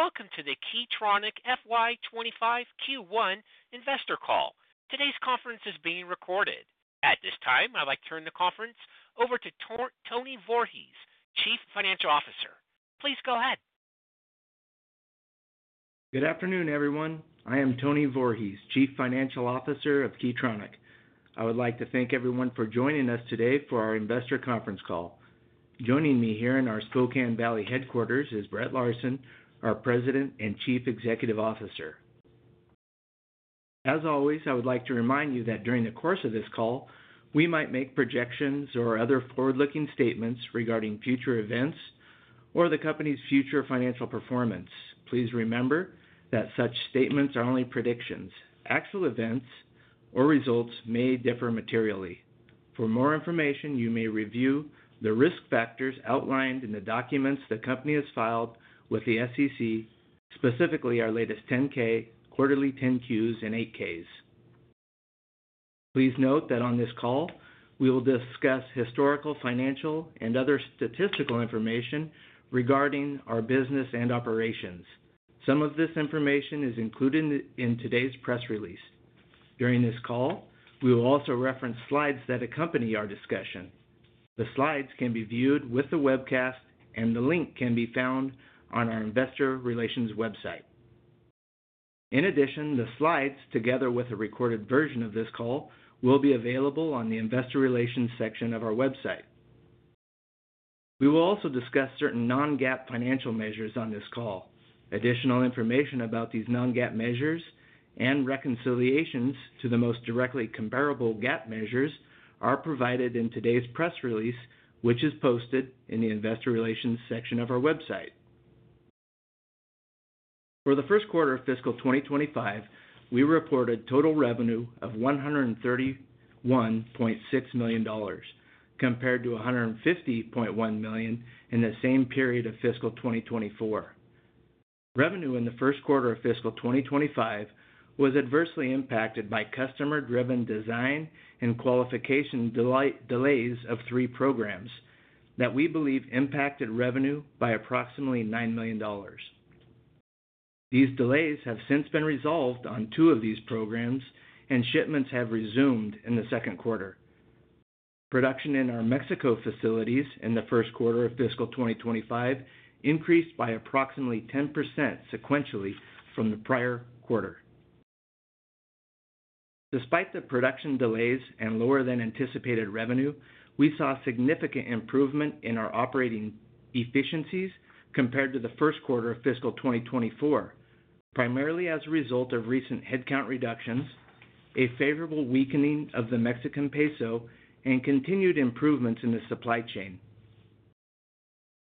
Good day and welcome to the Key Tronic FY25 Q1 Investor Call. Today's conference is being recorded. At this time, I'd like to turn the conference over to Tony Voorhees, Chief Financial Officer. Please go ahead. Good afternoon, everyone. I am Tony Voorhees, Chief Financial Officer of Key Tronic. I would like to thank everyone for joining us today for our investor conference call. Joining me here in our Spokane Valley headquarters is Brett Larsen, our President and Chief Executive Officer. As always, I would like to remind you that during the course of this call, we might make projections or other forward-looking statements regarding future events or the company's future financial performance. Please remember that such statements are only predictions. Actual events or results may differ materially. For more information, you may review the risk factors outlined in the documents the company has filed with the SEC, specifically our latest 10-K, quarterly 10-Qs, and 8-Ks. Please note that on this call, we will discuss historical financial and other statistical information regarding our business and operations. Some of this information is included in today's press release. During this call, we will also reference slides that accompany our discussion. The slides can be viewed with the webcast, and the link can be found on our investor relations website. In addition, the slides, together with a recorded version of this call, will be available on the investor relations section of our website. We will also discuss certain non-GAAP financial measures on this call. Additional information about these non-GAAP measures and reconciliations to the most directly comparable GAAP measures are provided in today's press release, which is posted in the investor relations section of our website. For the first quarter of fiscal 2025, we reported total revenue of $131.6 million compared to $150.1 million in the same period of fiscal 2024. Revenue in the first quarter of fiscal 2025 was adversely impacted by customer-driven design and qualification delays of three programs that we believe impacted revenue by approximately $9 million. These delays have since been resolved on two of these programs, and shipments have resumed in the second quarter. Production in our Mexico facilities in the first quarter of fiscal 2025 increased by approximately 10% sequentially from the prior quarter. Despite the production delays and lower-than-anticipated revenue, we saw significant improvement in our operating efficiencies compared to the first quarter of fiscal 2024, primarily as a result of recent headcount reductions, a favorable weakening of the Mexican peso, and continued improvements in the supply chain.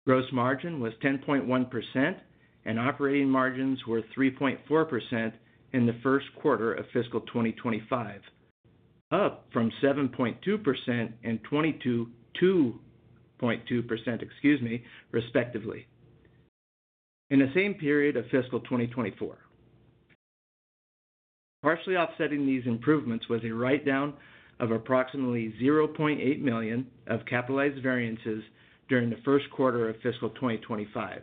Gross margin was 10.1%, and operating margins were 3.4% in the first quarter of fiscal 2025, up from 7.2% and 22.2%, excuse me, respectively, in the same period of fiscal 2024. Partially offsetting these improvements was a write-down of approximately $0.8 million of capitalized variances during the first quarter of fiscal 2025.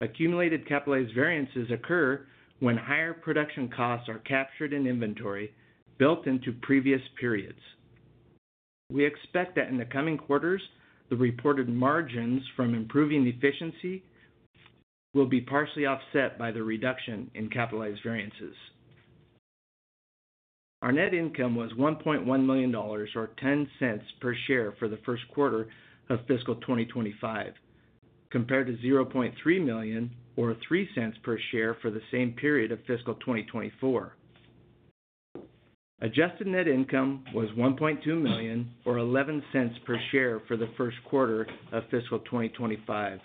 Accumulated capitalized variances occur when higher production costs are captured in inventory built into previous periods. We expect that in the coming quarters, the reported margins from improving efficiency will be partially offset by the reduction in capitalized variances. Our net income was $1.1 million or $0.10 per share for the first quarter of fiscal 2025, compared to $0.3 million or $0.03 per share for the same period of fiscal 2024. Adjusted net income was $1.2 million or $0.11 per share for the first quarter of fiscal 2025,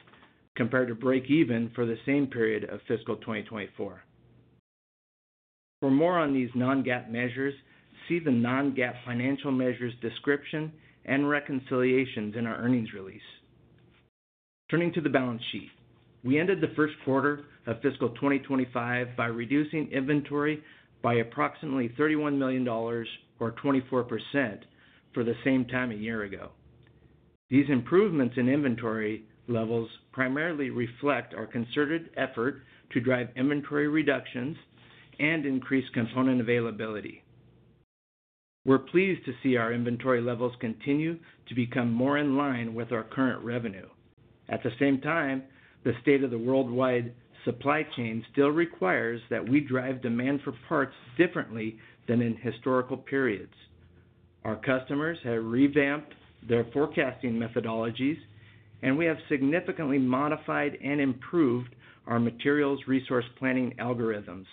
compared to break-even for the same period of fiscal 2024. For more on these non-GAAP measures, see the non-GAAP financial measures description and reconciliations in our earnings release. Turning to the balance sheet, we ended the first quarter of fiscal 2025 by reducing inventory by approximately $31 million or 24% for the same time a year ago. These improvements in inventory levels primarily reflect our concerted effort to drive inventory reductions and increase component availability. We're pleased to see our inventory levels continue to become more in line with our current revenue. At the same time, the state of the worldwide supply chain still requires that we drive demand for parts differently than in historical periods. Our customers have revamped their forecasting methodologies, and we have significantly modified and improved our materials resource planning algorithms.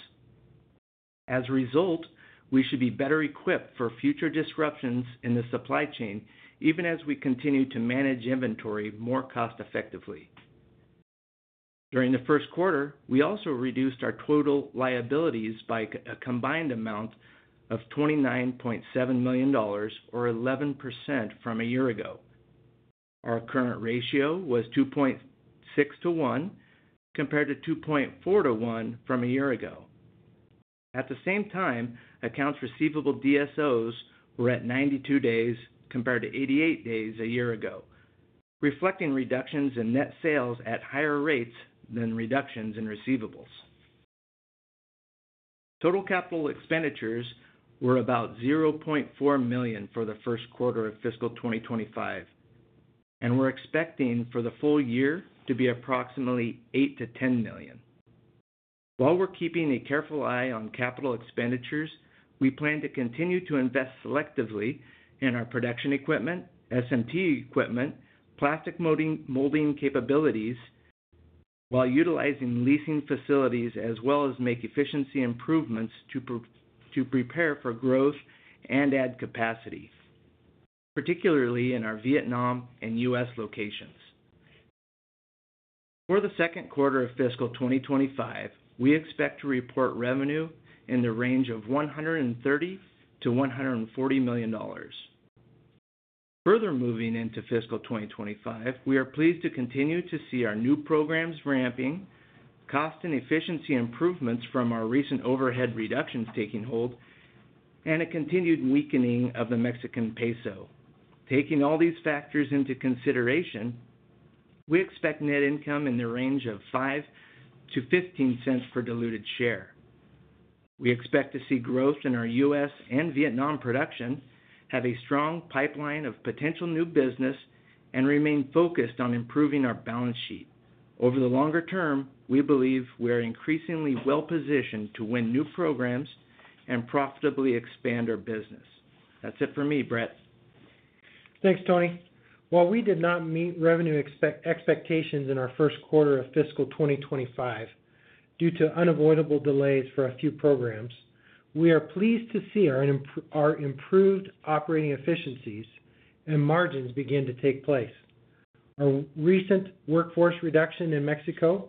As a result, we should be better equipped for future disruptions in the supply chain, even as we continue to manage inventory more cost-effectively. During the first quarter, we also reduced our total liabilities by a combined amount of $29.7 million or 11% from a year ago. Our current ratio was 2.6-1, compared to 2.4-1 from a year ago. At the same time, accounts receivable DSOs were at 92 days compared to 88 days a year ago, reflecting reductions in net sales at higher rates than reductions in receivables. Total capital expenditures were about $0.4 million for the first quarter of fiscal 2025, and we're expecting for the full year to be approximately $8-10 million. While we're keeping a careful eye on capital expenditures, we plan to continue to invest selectively in our production equipment, SMT equipment, plastic molding capabilities, while utilizing leasing facilities, as well as make efficiency improvements to prepare for growth and add capacity, particularly in our Vietnam and U.S. locations. For the second quarter of fiscal 2025, we expect to report revenue in the range of $130-140 million. Further moving into fiscal 2025, we are pleased to continue to see our new programs ramping, cost and efficiency improvements from our recent overhead reductions taking hold, and a continued weakening of the Mexican peso. Taking all these factors into consideration, we expect net income in the range of $0.5-0.15 per diluted share. We expect to see growth in our U.S. and Vietnam production, have a strong pipeline of potential new business, and remain focused on improving our balance sheet. Over the longer term, we believe we are increasingly well-positioned to win new programs and profitably expand our business. That's it for me, Brett. Thanks, Tony. While we did not meet revenue expectations in our first quarter of fiscal 2025 due to unavoidable delays for a few programs, we are pleased to see our improved operating efficiencies and margins begin to take place. Our recent workforce reduction in Mexico,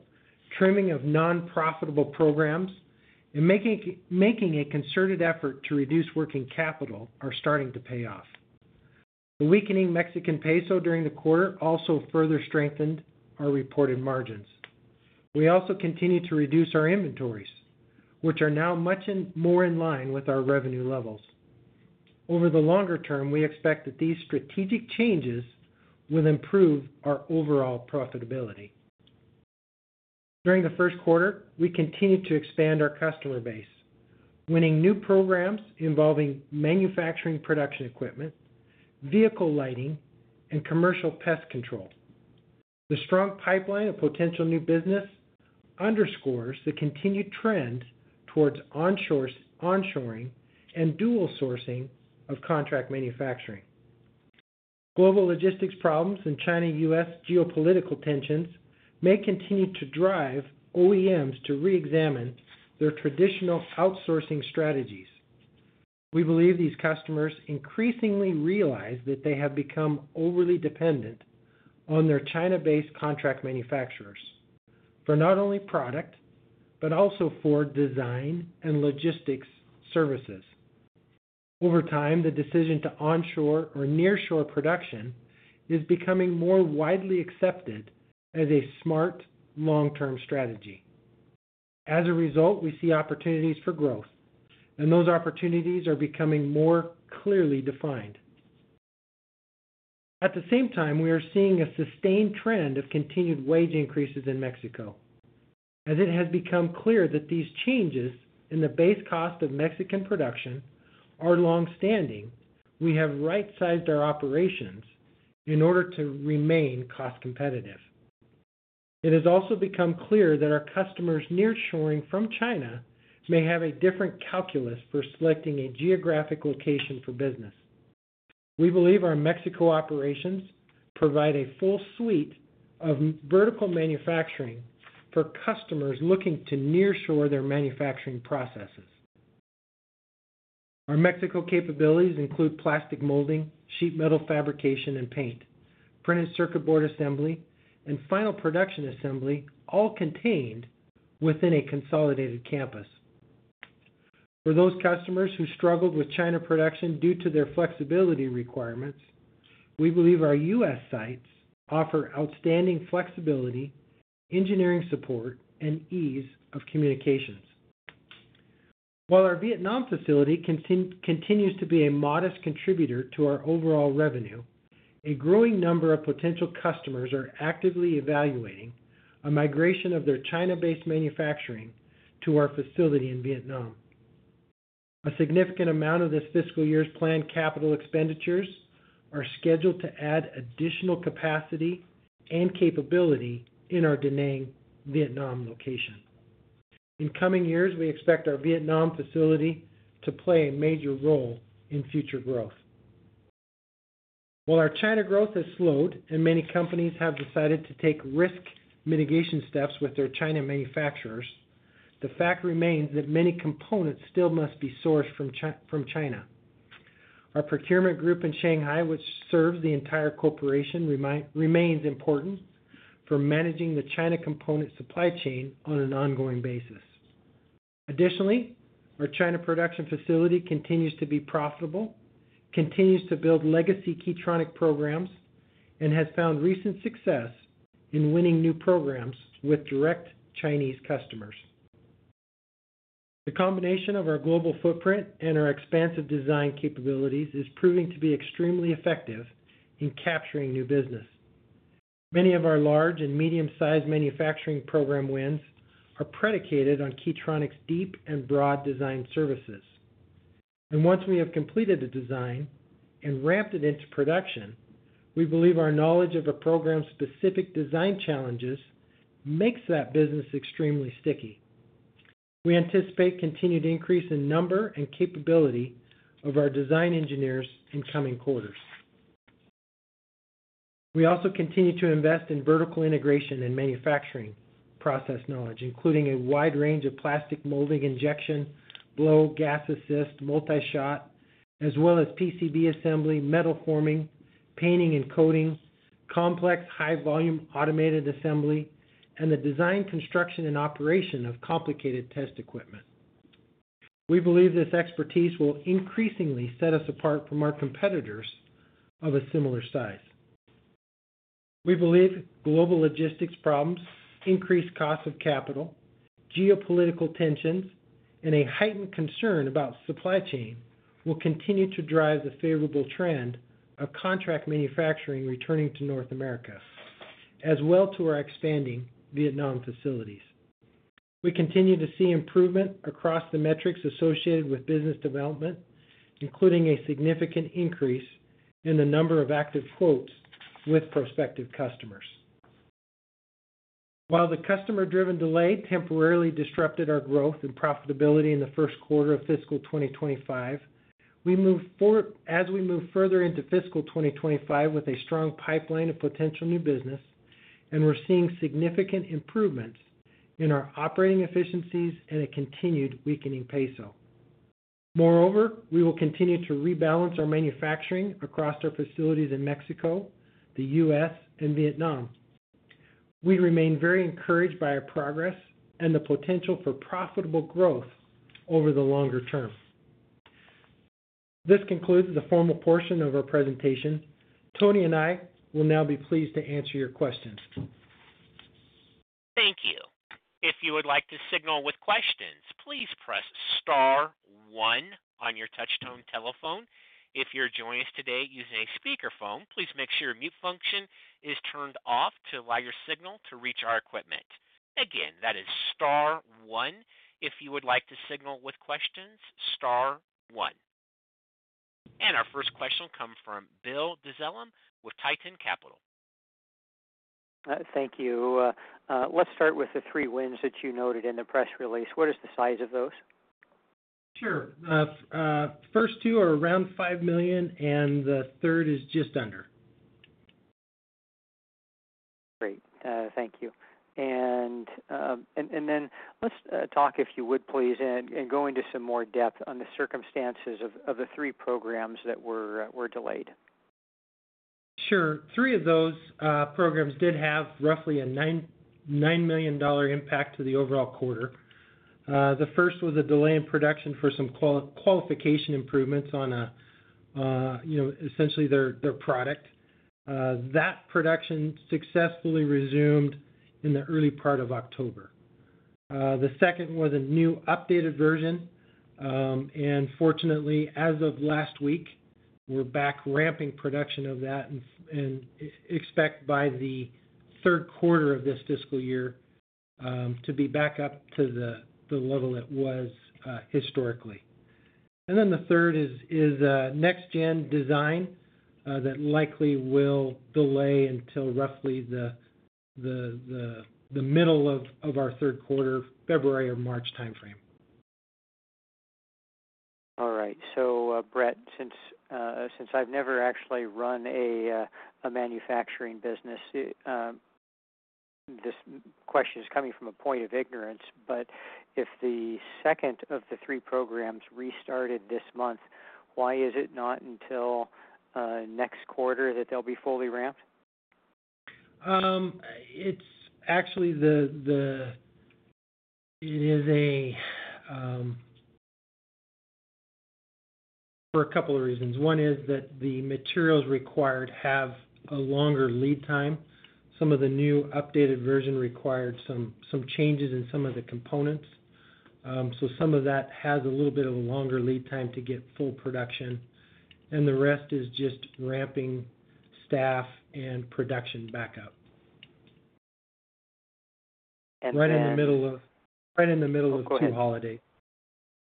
trimming of non-profitable programs, and making a concerted effort to reduce working capital are starting to pay off. The weakening Mexican peso during the quarter also further strengthened our reported margins. We also continue to reduce our inventories, which are now much more in line with our revenue levels. Over the longer term, we expect that these strategic changes will improve our overall profitability. During the first quarter, we continue to expand our customer base, winning new programs involving manufacturing production equipment, vehicle lighting, and commercial pest control. The strong pipeline of potential new business underscores the continued trend towards onshoring and dual sourcing of contract manufacturing. Global logistics problems and China-U.S. geopolitical tensions may continue to drive OEMs to re-examine their traditional outsourcing strategies. We believe these customers increasingly realize that they have become overly dependent on their China-based contract manufacturers for not only product but also for design and logistics services. Over time, the decision to onshore or nearshore production is becoming more widely accepted as a smart long-term strategy. As a result, we see opportunities for growth, and those opportunities are becoming more clearly defined. At the same time, we are seeing a sustained trend of continued wage increases in Mexico. As it has become clear that these changes in the base cost of Mexican production are longstanding, we have right-sized our operations in order to remain cost-competitive. It has also become clear that our customers nearshoring from China may have a different calculus for selecting a geographic location for business. We believe our Mexico operations provide a full suite of vertical manufacturing for customers looking to nearshore their manufacturing processes. Our Mexico capabilities include plastic molding, sheet metal fabrication, and paint, printed circuit board assembly, and final production assembly, all contained within a consolidated campus. For those customers who struggled with China production due to their flexibility requirements, we believe our U.S. sites offer outstanding flexibility, engineering support, and ease of communications. While our Vietnam facility continues to be a modest contributor to our overall revenue, a growing number of potential customers are actively evaluating a migration of their China-based manufacturing to our facility in Vietnam. A significant amount of this fiscal year's planned capital expenditures are scheduled to add additional capacity and capability in our Da Nang, Vietnam, location. In coming years, we expect our Vietnam facility to play a major role in future growth. While our China growth has slowed and many companies have decided to take risk mitigation steps with their China manufacturers, the fact remains that many components still must be sourced from China. Our procurement group in Shanghai, which serves the entire corporation, remains important for managing the China component supply chain on an ongoing basis. Additionally, our China production facility continues to be profitable, continues to build legacy Key Tronic programs, and has found recent success in winning new programs with direct Chinese customers. The combination of our global footprint and our expansive design capabilities is proving to be extremely effective in capturing new business. Many of our large and medium-sized manufacturing program wins are predicated on Key Tronic's deep and broad design services, and once we have completed a design and ramped it into production, we believe our knowledge of our program-specific design challenges makes that business extremely sticky. We anticipate continued increase in number and capability of our design engineers in coming quarters. We also continue to invest in vertical integration and manufacturing process knowledge, including a wide range of plastic molding injection, blow, gas assist, multi-shot, as well as PCB assembly, metal forming, painting and coating, complex high-volume automated assembly, and the design, construction, and operation of complicated test equipment. We believe this expertise will increasingly set us apart from our competitors of a similar size. We believe global logistics problems, increased cost of capital, geopolitical tensions, and a heightened concern about supply chain will continue to drive the favorable trend of contract manufacturing returning to North America, as well as to our expanding Vietnam facilities. We continue to see improvement across the metrics associated with business development, including a significant increase in the number of active quotes with prospective customers. While the customer-driven delay temporarily disrupted our growth and profitability in the first quarter of fiscal 2025, we move forward as we move further into fiscal 2025 with a strong pipeline of potential new business, and we're seeing significant improvements in our operating efficiencies and a continued weakening peso. Moreover, we will continue to rebalance our manufacturing across our facilities in Mexico, the U.S., and Vietnam. We remain very encouraged by our progress and the potential for profitable growth over the longer term. This concludes the formal portion of our presentation. Tony and I will now be pleased to answer your questions. Thank you. If you would like to signal with questions, please press star one on your touch-tone telephone. If you're joining us today using a speakerphone, please make sure your mute function is turned off to allow your signal to reach our equipment. Again, that is star one. If you would like to signal with questions, star one. And our first question will come from Bill Dezellem with Tieton Capital. Thank you. Let's start with the three wins that you noted in the press release. What is the size of those? Sure. The first two are around $5 million, and the third is just under. Great. Thank you, and then let's talk, if you would, please, and go into some more depth on the circumstances of the three programs that were delayed. Sure. Three of those programs did have roughly a $9 million impact to the overall quarter. The first was a delay in production for some qualification improvements on essentially their product. That production successfully resumed in the early part of October. The second was a new updated version. And fortunately, as of last week, we're back ramping production of that and expect by the third quarter of this fiscal year to be back up to the level it was historically. And then the third is next-gen design that likely will delay until roughly the middle of our third quarter, February or March timeframe. All right. So Brett, since I've never actually run a manufacturing business, this question is coming from a point of ignorance, but if the second of the three programs restarted this month, why is it not until next quarter that they'll be fully ramped? It's actually for a couple of reasons. One is that the materials required have a longer lead time. Some of the new updated version required some changes in some of the components. So some of that has a little bit of a longer lead time to get full production. And the rest is just ramping staff and production back up. And then. Right in the middle of two holidays.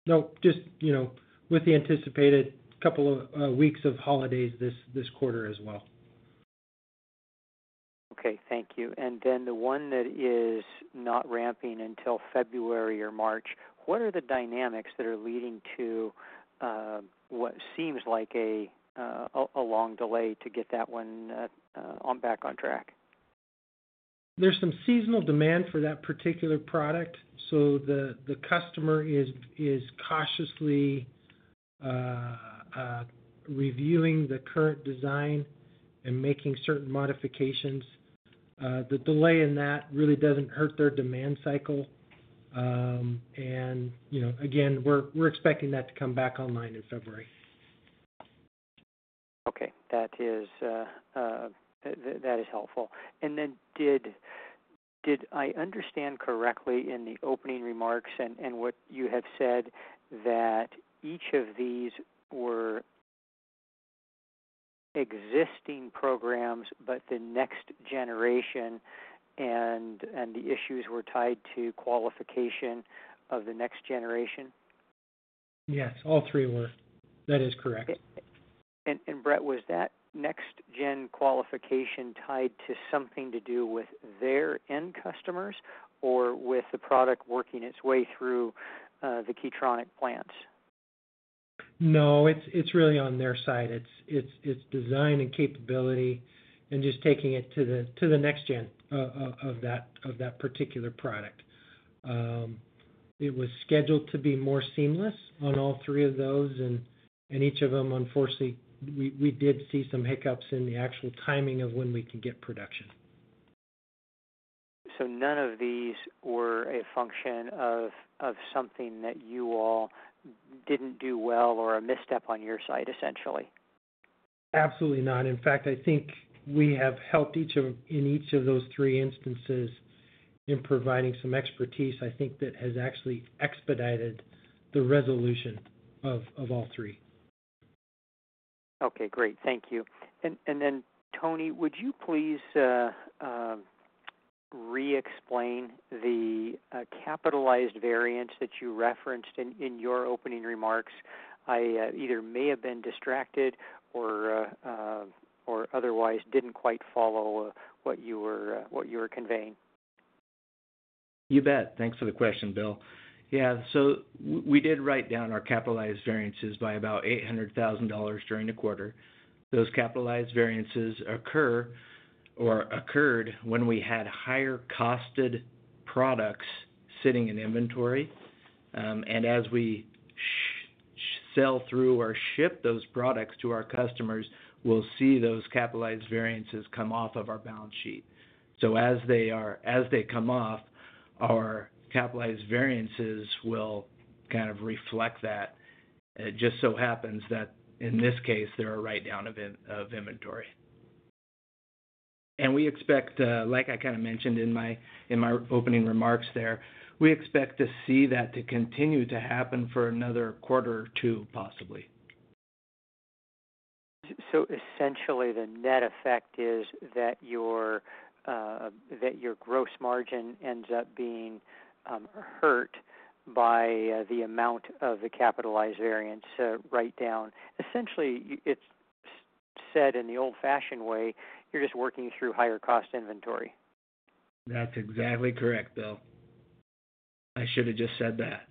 No, just with the anticipated couple of weeks of holidays this quarter as well. Okay. Thank you, and then the one that is not ramping until February or March, what are the dynamics that are leading to what seems like a long delay to get that one back on track? There's some seasonal demand for that particular product. So the customer is cautiously reviewing the current design and making certain modifications. The delay in that really doesn't hurt their demand cycle. And again, we're expecting that to come back online in February. Okay. That is helpful. And then did I understand correctly in the opening remarks and what you have said that each of these were existing programs, but the next generation and the issues were tied to qualification of the next generation? Yes, all three were. That is correct. Brett, was that next-gen qualification tied to something to do with their end customers or with the product working its way through the Key Tronic plants? No, it's really on their side. It's design and capability and just taking it to the next-gen of that particular product. It was scheduled to be more seamless on all three of those, and each of them, unfortunately, we did see some hiccups in the actual timing of when we can get production. So none of these were a function of something that you all didn't do well or a misstep on your side, essentially? Absolutely not. In fact, I think we have helped in each of those three instances in providing some expertise, I think, that has actually expedited the resolution of all three. Okay. Great. Thank you. And then, Tony, would you please re-explain the capitalized variance that you referenced in your opening remarks? I either may have been distracted or otherwise didn't quite follow what you were conveying. You bet. Thanks for the question, Bill. Yeah. So we did write down our capitalized variances by about $800,000 during the quarter. Those capitalized variances occur or occurred when we had higher-costed products sitting in inventory. And as we sell through or ship those products to our customers, we'll see those capitalized variances come off of our balance sheet. So as they come off, our capitalized variances will kind of reflect that. It just so happens that in this case, there's a write-down of inventory. And we expect, like I kind of mentioned in my opening remarks there, we expect to see that to continue to happen for another quarter or two, possibly. So essentially, the net effect is that your gross margin ends up being hurt by the amount of the capitalized variance write-down. Essentially, it's said in the old-fashioned way, you're just working through higher-cost inventory. That's exactly correct, Bill. I should have just said that.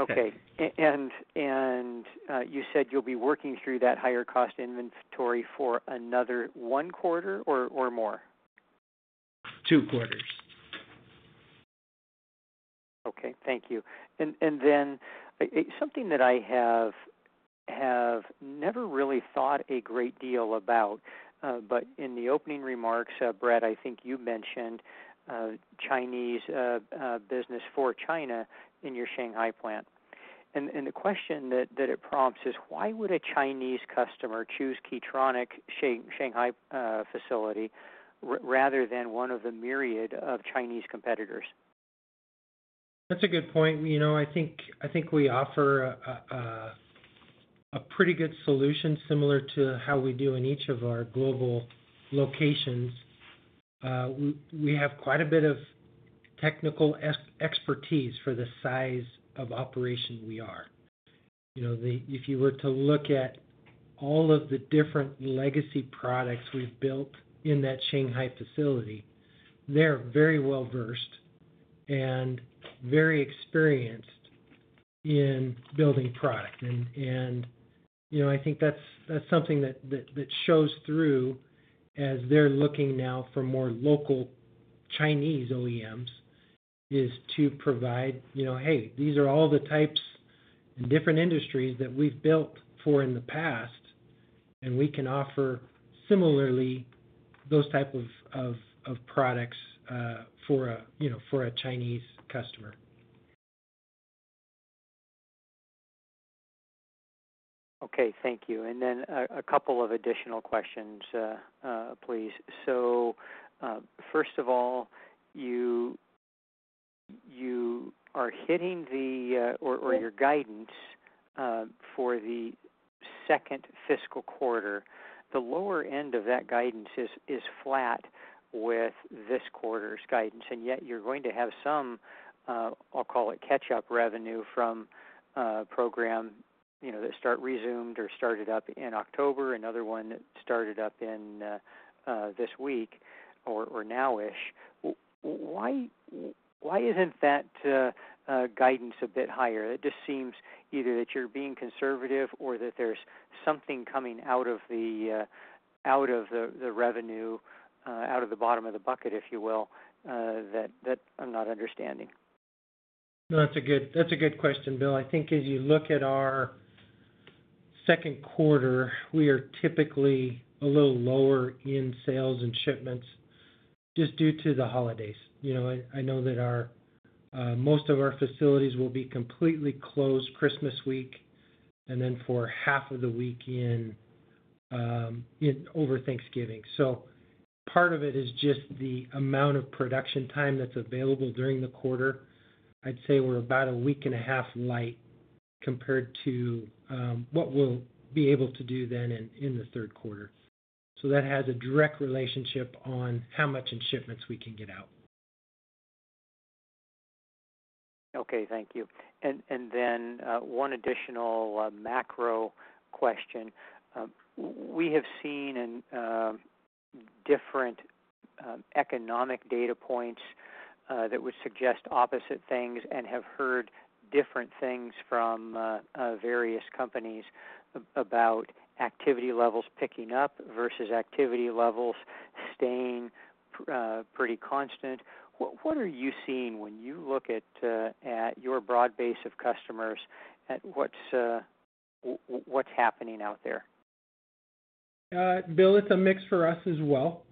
Okay. And you said you'll be working through that higher-cost inventory for another one quarter or more? Two quarters. Okay. Thank you. And then something that I have never really thought a great deal about, but in the opening remarks, Brett, I think you mentioned Chinese business for China in your Shanghai plant. And the question that it prompts is, why would a Chinese customer choose Key Tronic Shanghai facility rather than one of the myriad of Chinese competitors? That's a good point. I think we offer a pretty good solution similar to how we do in each of our global locations. We have quite a bit of technical expertise for the size of operation we are. If you were to look at all of the different legacy products we've built in that Shanghai facility, they're very well-versed and very experienced in building product. And I think that's something that shows through as they're looking now for more local Chinese OEMs is to provide, "Hey, these are all the types and different industries that we've built for in the past, and we can offer similarly those types of products for a Chinese customer. Okay. Thank you. And then a couple of additional questions, please. So first of all, you are hitting the, or your guidance for the second fiscal quarter. The lower end of that guidance is flat with this quarter's guidance. And yet you're going to have some, I'll call it, catch-up revenue from programs that started or resumed in October, another one that started up this week or now. Why isn't that guidance a bit higher? It just seems either that you're being conservative or that there's something coming out of the revenue, out of the bottom of the bucket, if you will, that I'm not understanding. No, that's a good question, Bill. I think as you look at our second quarter, we are typically a little lower in sales and shipments just due to the holidays. I know that most of our facilities will be completely closed Christmas week and then for half of the week and over Thanksgiving. So part of it is just the amount of production time that's available during the quarter. I'd say we're about a week and a half light compared to what we'll be able to do then in the third quarter. So that has a direct relationship on how much in shipments we can get out. Okay. Thank you. And then one additional macro question. We have seen different economic data points that would suggest opposite things and have heard different things from various companies about activity levels picking up versus activity levels staying pretty constant. What are you seeing when you look at your broad base of customers? What's happening out there? Bill, it's a mix for us as well.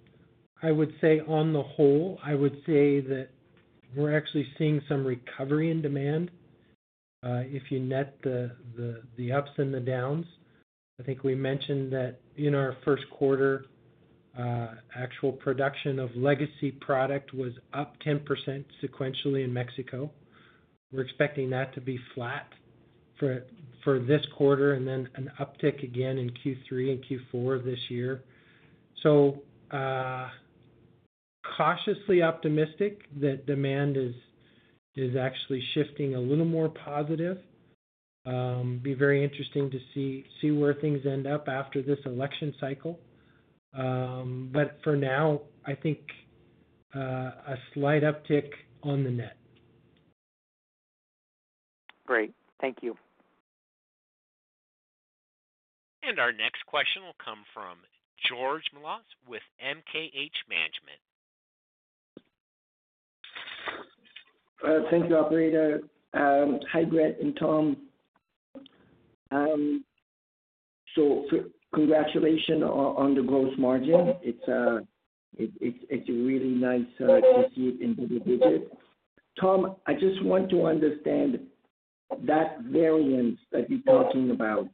I would say on the whole, I would say that we're actually seeing some recovery in demand. If you net the ups and the downs, I think we mentioned that in our first quarter, actual production of legacy product was up 10% sequentially in Mexico. We're expecting that to be flat for this quarter and then an uptick again in Q3 and Q4 this year. So cautiously optimistic that demand is actually shifting a little more positive. It'd be very interesting to see where things end up after this election cycle. But for now, I think a slight uptick on the net. Great. Thank you. Our next question will come from George Melas with MKH Management. Thank you, Alfredo. Hi, Brett, and Tony. So congratulations on the gross margin. It's really nice to see it in bigger digits. Tony, I just want to understand that variance that you're talking about.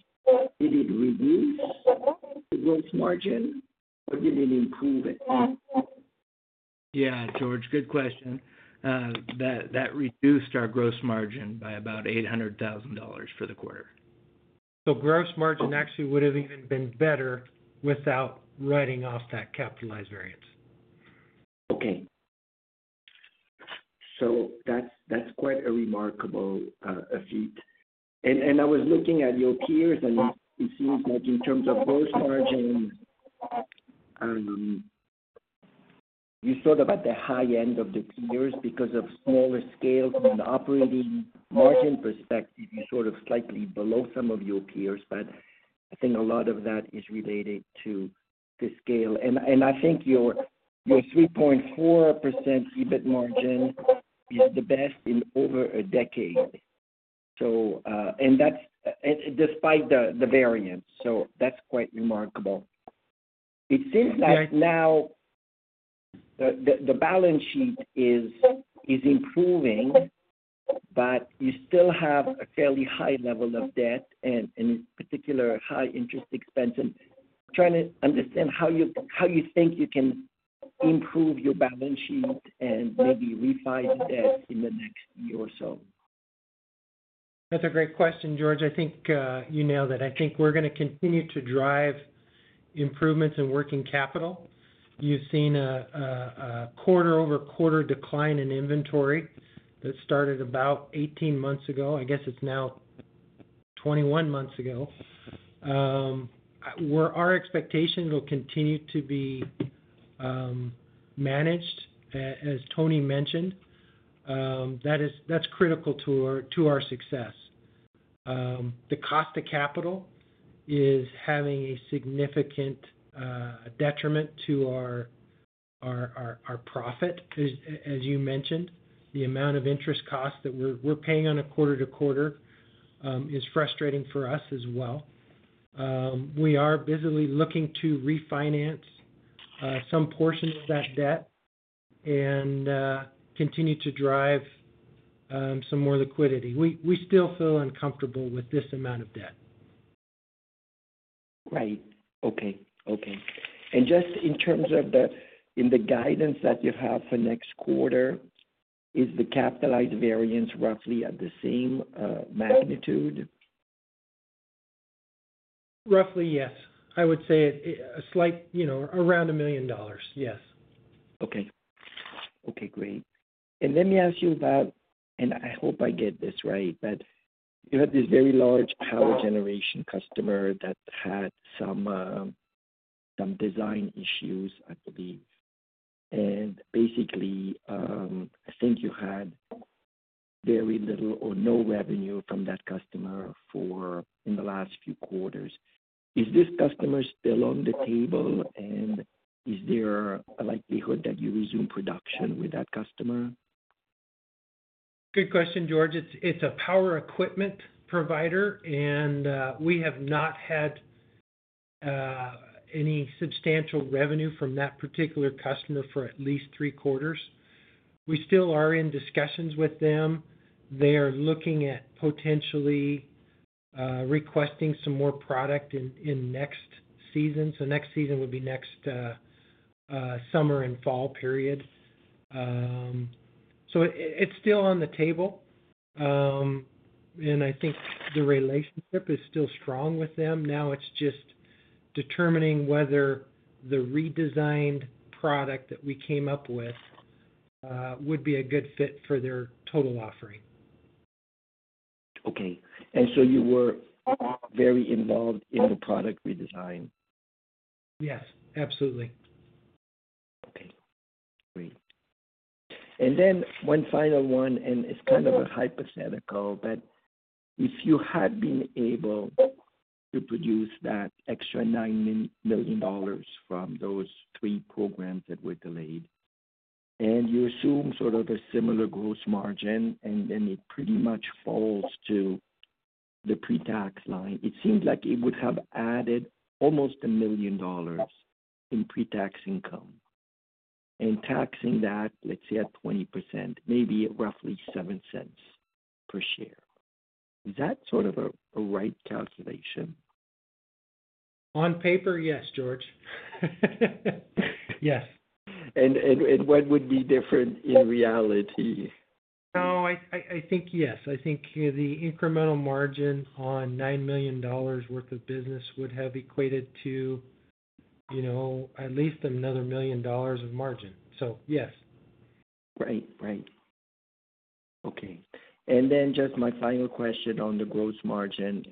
Did it reduce the gross margin, or did it improve it? Yeah, George, good question. That reduced our gross margin by about $800,000 for the quarter. Gross margin actually would have even been better without writing off that capitalized variance. Okay, so that's quite a remarkable feat, and I was looking at your peers, and it seems like in terms of gross margin, you're sort of at the high end of the peers because of smaller scale, and from an operating margin perspective, you're sort of slightly below some of your peers, but I think a lot of that is related to the scale, and I think your 3.4% EBIT margin is the best in over a decade, and that's despite the variance, so that's quite remarkable. It seems like now the balance sheet is improving, but you still have a fairly high level of debt and particularly high interest expense, and trying to understand how you think you can improve your balance sheet and maybe refinance the debt in the next year or so. That's a great question, George. I think you nailed it. I think we're going to continue to drive improvements in working capital. You've seen a quarter-over-quarter decline in inventory that started about 18 months ago. I guess it's now 21 months ago. Our expectation will continue to be managed, as Tony mentioned. That's critical to our success. The cost of capital is having a significant detriment to our profit, as you mentioned. The amount of interest costs that we're paying on a quarter-to-quarter is frustrating for us as well. We are busily looking to refinance some portion of that debt and continue to drive some more liquidity. We still feel uncomfortable with this amount of debt. Right. Okay. Okay. And just in terms of the guidance that you have for next quarter, is the capitalized variance roughly at the same magnitude? Roughly, yes. I would say slightly around $1 million, yes. Okay. Okay. Great. And let me ask you about, and I hope I get this right, but you had this very large power generation customer that had some design issues, I believe. And basically, I think you had very little or no revenue from that customer in the last few quarters. Is this customer still on the table, and is there a likelihood that you resume production with that customer? Good question, George. It's a power equipment provider, and we have not had any substantial revenue from that particular customer for at least three quarters. We still are in discussions with them. They are looking at potentially requesting some more product in next season. So next season would be next summer and fall period. So it's still on the table. And I think the relationship is still strong with them. Now it's just determining whether the redesigned product that we came up with would be a good fit for their total offering. Okay, and so you were very involved in the product redesign? Yes. Absolutely. Okay. Great. And then one final one, and it's kind of a hypothetical, but if you had been able to produce that extra $9 million from those three programs that were delayed, and you assume sort of a similar gross margin, and then it pretty much falls to the pre-tax line, it seems like it would have added almost a million dollars in pre-tax income and taxing that, let's say, at 20%, maybe roughly $0.07 per share. Is that sort of a right calculation? On paper, yes, George. Yes. What would be different in reality? No, I think yes. I think the incremental margin on $9 million worth of business would have equated to at least another million dollars of margin. So yes. Right. Right. Okay, and then just my final question on the gross margin,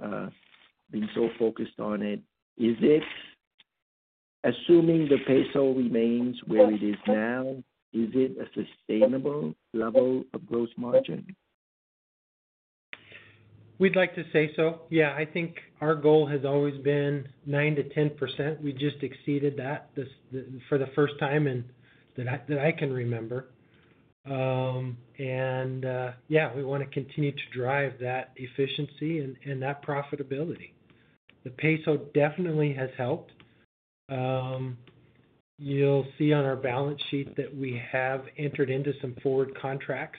being so focused on it. Assuming the peso remains where it is now, is it a sustainable level of gross margin? We'd like to say so. Yeah. I think our goal has always been 9%-10%. We just exceeded that for the first time that I can remember, and yeah, we want to continue to drive that efficiency and that profitability. The peso definitely has helped. You'll see on our balance sheet that we have entered into some forward contracts.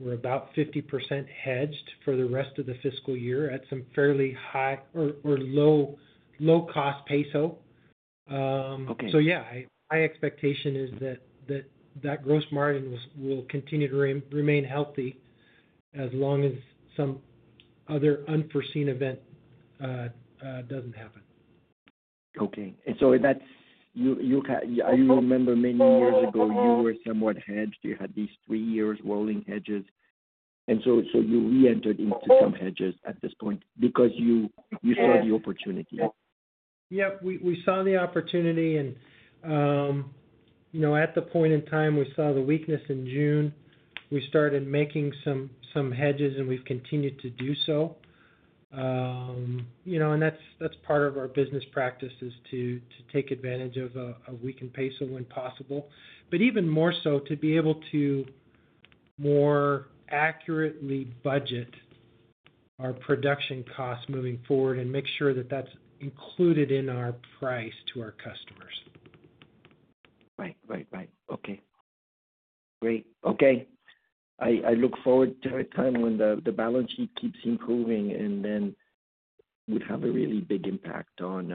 We're about 50% hedged for the rest of the fiscal year at some fairly high or low-cost peso, so yeah, my expectation is that that gross margin will continue to remain healthy as long as some other unforeseen event doesn't happen. Okay. And so, do you remember many years ago, you were somewhat hedged? You had these three-year rolling hedges. And so you re-entered into some hedges at this point because you saw the opportunity? Yep. We saw the opportunity. And at the point in time, we saw the weakness in June. We started making some hedges, and we've continued to do so. And that's part of our business practice is to take advantage of a weakened peso when possible, but even more so to be able to more accurately budget our production costs moving forward and make sure that that's included in our price to our customers. Right. Right. Right. Okay. Great. Okay. I look forward to a time when the balance sheet keeps improving, and then we'd have a really big impact on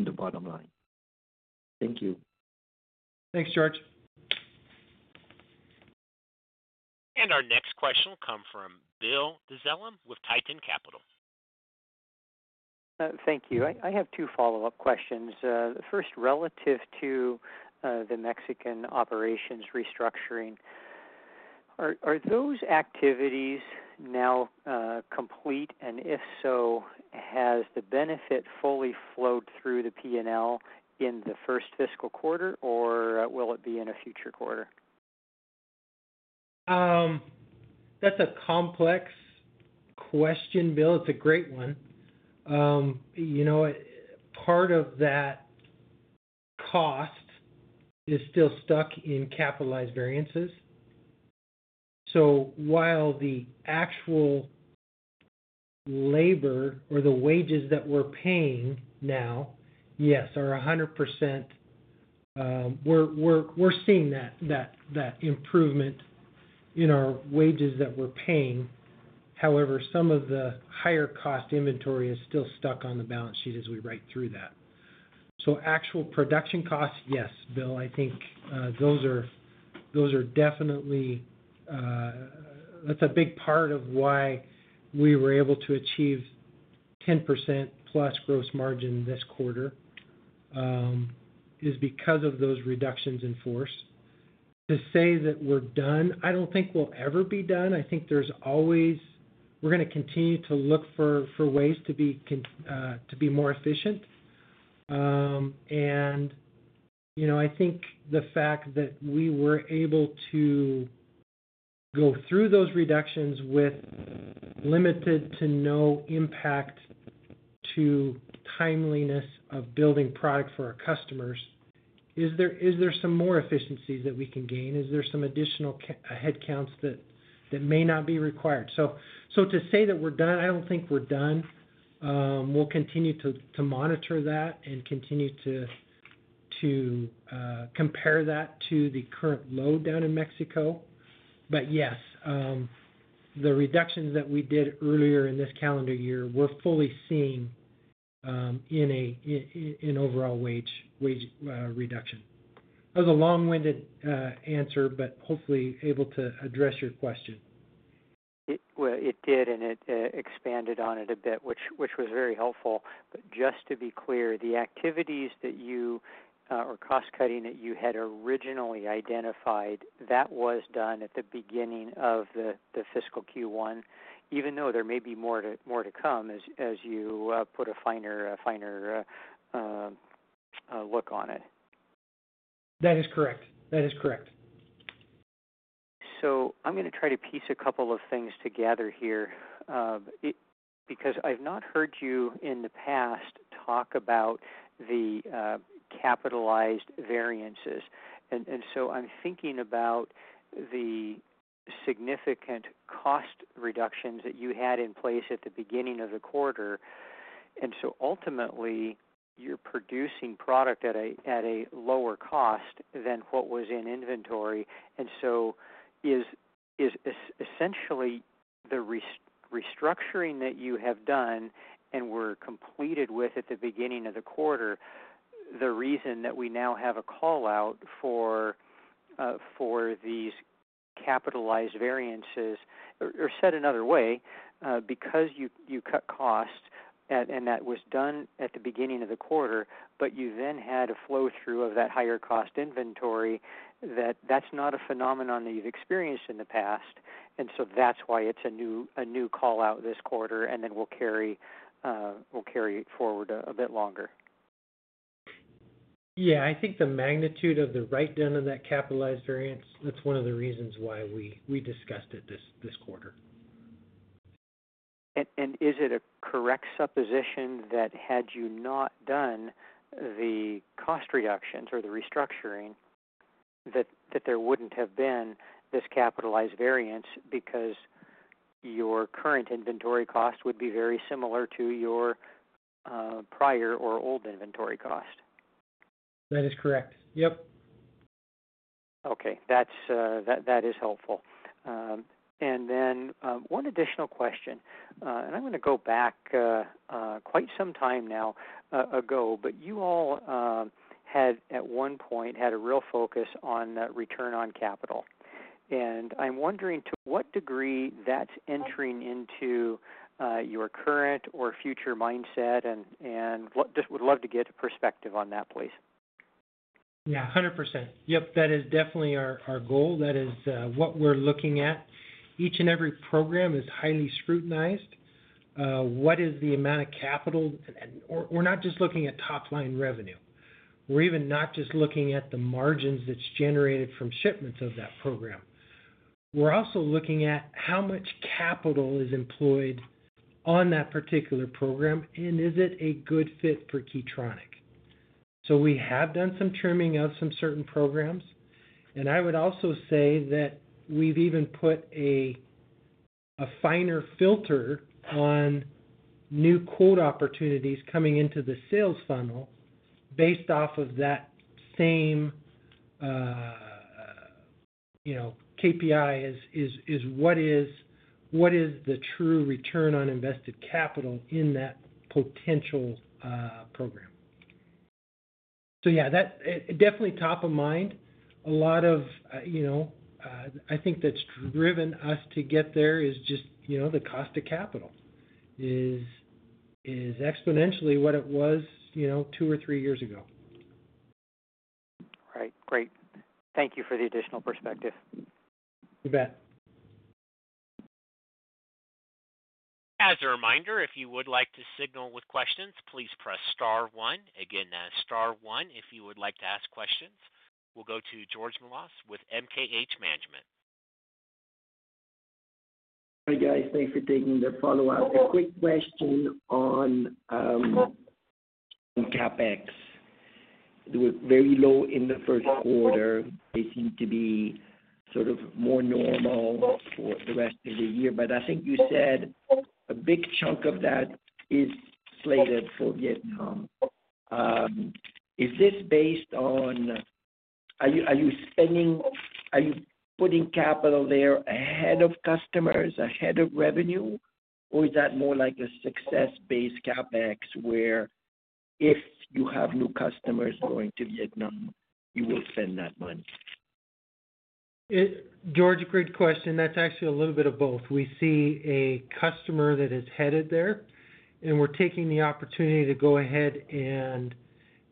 the bottom line. Thank you. Thanks, George. Our next question will come from Bill DeZellum with Tieton Capital. Thank you. I have two follow-up questions. The first, relative to the Mexican operations restructuring, are those activities now complete? And if so, has the benefit fully flowed through the P&L in the first fiscal quarter, or will it be in a future quarter? That's a complex question, Bill. It's a great one. Part of that cost is still stuck in capitalized variances. So while the actual labor or the wages that we're paying now, yes, are 100%, we're seeing that improvement in our wages that we're paying. However, some of the higher-cost inventory is still stuck on the balance sheet as we write through that. So actual production costs, yes, Bill, I think those are definitely that's a big part of why we were able to achieve 10% plus gross margin this quarter is because of those reductions in force. To say that we're done, I don't think we'll ever be done. I think we're going to continue to look for ways to be more efficient. I think the fact that we were able to go through those reductions with limited to no impact to timeliness of building product for our customers. Is there some more efficiencies that we can gain? Is there some additional headcounts that may not be required? So, to say that we're done, I don't think we're done. We'll continue to monitor that and continue to compare that to the current lowdown in Mexico. But yes, the reductions that we did earlier in this calendar year. We're fully seeing in an overall wage reduction. That was a long-winded answer, but hopefully able to address your question. It did, and it expanded on it a bit, which was very helpful. But just to be clear, the cost-cutting activities that you had originally identified, that was done at the beginning of the fiscal Q1, even though there may be more to come as you put a finer look on it. That is correct. That is correct. So I'm going to try to piece a couple of things together here because I've not heard you in the past talk about the capitalized variances. And so I'm thinking about the significant cost reductions that you had in place at the beginning of the quarter. And so ultimately, you're producing product at a lower cost than what was in inventory. And so is essentially the restructuring that you have done and were completed with at the beginning of the quarter the reason that we now have a callout for these capitalized variances? Or said another way, because you cut costs, and that was done at the beginning of the quarter, but you then had a flow-through of that higher-cost inventory, that's not a phenomenon that you've experienced in the past. And so that's why it's a new callout this quarter, and then we'll carry it forward a bit longer. Yeah. I think the magnitude of the write-down of that capitalized variance, that's one of the reasons why we discussed it this quarter. Is it a correct supposition that had you not done the cost reductions or the restructuring, that there wouldn't have been this capitalized variance because your current inventory cost would be very similar to your prior or old inventory cost? That is correct. Yep. Okay. That is helpful. And then one additional question. And I'm going to go back quite some time now ago, but you all had, at one point, had a real focus on return on capital. And I'm wondering to what degree that's entering into your current or future mindset, and just would love to get perspective on that, please. Yeah. 100%. Yep. That is definitely our goal. That is what we're looking at. Each and every program is highly scrutinized. What is the amount of capital? We're not just looking at top-line revenue. We're even not just looking at the margins that's generated from shipments of that program. We're also looking at how much capital is employed on that particular program, and is it a good fit for Key Tronic? So we have done some trimming of some certain programs. And I would also say that we've even put a finer filter on new quote opportunities coming into the sales funnel based off of that same KPI, what is the true return on invested capital in that potential program? So yeah, definitely top of mind. A lot of, I think, that's driven us to get there is just the cost of capital is exponentially what it was two or three years ago. Right. Great. Thank you for the additional perspective. You bet. As a reminder, if you would like to signal with questions, please press star one. Again, star one if you would like to ask questions. We'll go to George Melas with MKH Management. Hi, guys. Thanks for taking the follow-up. A quick question on CapEx. They were very low in the first quarter. They seem to be sort of more normal for the rest of the year. But I think you said a big chunk of that is slated for Vietnam. Is this based on? Are you putting capital there ahead of customers, ahead of revenue, or is that more like a success-based CapEx where if you have new customers going to Vietnam, you will spend that money? George, great question. That's actually a little bit of both. We see a customer that is headed there, and we're taking the opportunity to go ahead and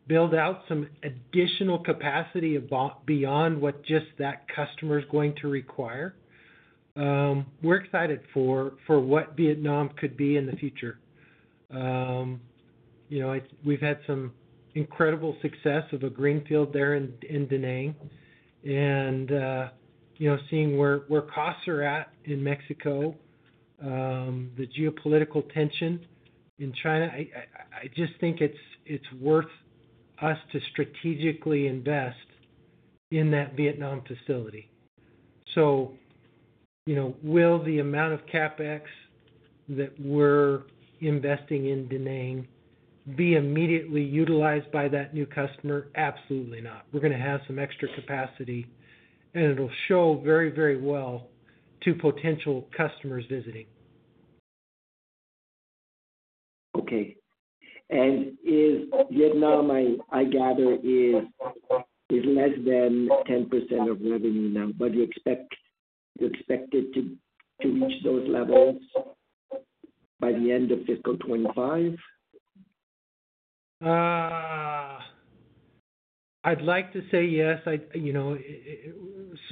build out some additional capacity beyond what just that customer is going to require. We're excited for what Vietnam could be in the future. We've had some incredible success of a greenfield there in Da Nang and seeing where costs are at in Mexico, the geopolitical tension in China. I just think it's worth us to strategically invest in that Vietnam facility. So will the amount of CapEx that we're investing in Da Nang be immediately utilized by that new customer? Absolutely not. We're going to have some extra capacity, and it'll show very, very well to potential customers visiting. Okay. And Vietnam, I gather, is less than 10% of revenue now. But you expect it to reach those levels by the end of fiscal 2025? I'd like to say yes.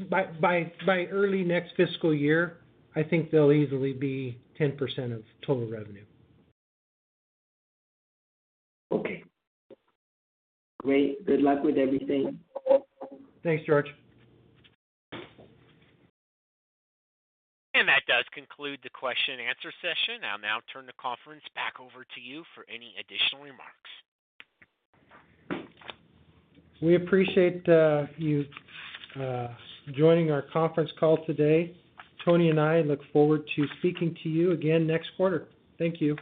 By early next fiscal year, I think they'll easily be 10% of total revenue. Okay. Great. Good luck with everything. Thanks, George. And that does conclude the question-and-answer session. I'll now turn the conference back over to you for any additional remarks. We appreciate you joining our conference call today. Tony and I look forward to speaking to you again next quarter. Thank you.